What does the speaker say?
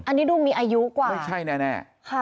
อันนี้ดูมีอายุกว่าไม่ใช่แน่